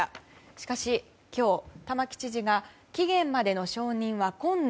しかし今日、玉城知事が期限までの承認は困難。